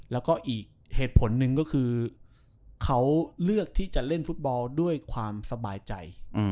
แล้วก็อีกเหตุผลหนึ่งก็คือเขาเลือกที่จะเล่นฟุตบอลด้วยความสบายใจ